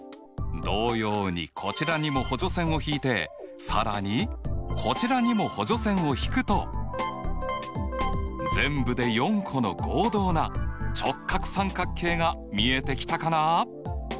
同様にこちらにも補助線を引いて更にこちらにも補助線を引くと全部で４個の合同な直角三角形が見えてきたかな？